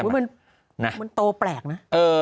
มันโตแปลกนะ